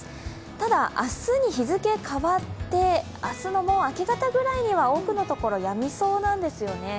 ただ、明日に日付が変わって、明日の明け方ぐらいには多くのところやみそうなんですよね。